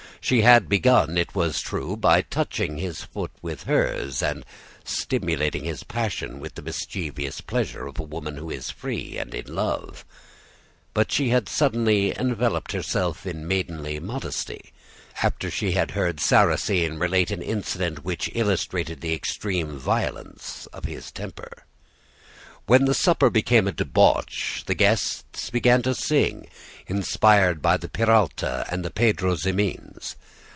She had begun, it is true, by touching his foot with hers and stimulating his passion with the mischievous pleasure of a woman who is free and in love; but she had suddenly enveloped herself in maidenly modesty, after she had heard Sarrasine relate an incident which illustrated the extreme violence of his temper. When the supper became a debauch, the guests began to sing, inspired by the Peralta and the Pedro Ximenes.